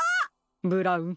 ブラウン